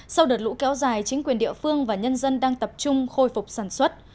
sau đợt lũ kéo dài chính quyền địa phương và nhân dân đang tập trung khôi phục sản xuất